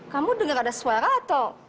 kamu dengar ada suara atau